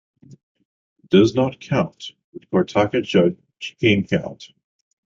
Does not count in Cortaca Jug game count.